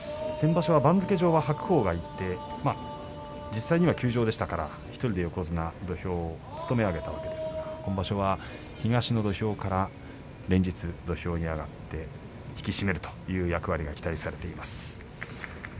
一人横綱、先場所は番付上は白鵬がいて実際には休場でしたから１人で横綱土俵を務め上げたわけですが今場所は東の土俵から連日土俵に上がって引き締めるという役割が期待されています。